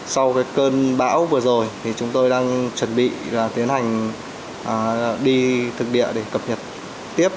sau cơn bão vừa rồi chúng tôi đang chuẩn bị tiến hành đi thực địa để cập nhật tiếp